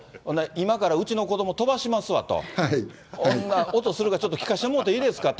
今からうちの子どもとばしますわと、音するかちょっと聞かせてもろうていいですかと。